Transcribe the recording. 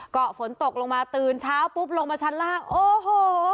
ก็ฝนตกลงมาตื่นเช้าปุ๊บลงมาชั้นล่างโอ้โห